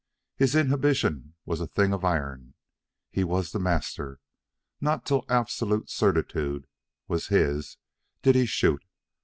His inhibition was a thing of iron. He was the master. Not til absolute certitude was his did he shoot.